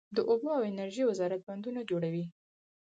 د اوبو او انرژۍ وزارت بندونه جوړوي